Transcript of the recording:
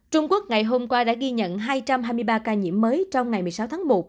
trung quốc ngày hôm qua đã ghi nhận hai trăm hai mươi ba ca nhiễm mới trong ngày một mươi sáu tháng một